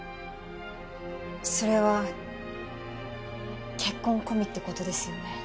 それは結婚込みってことですよね？